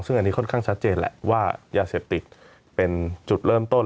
ซึ่งอันนี้ค่อนข้างชัดเจนแหละว่ายาเสพติดเป็นจุดเริ่มต้น